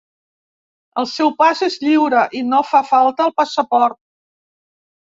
El seu pas és lliure i no fa falta el passaport.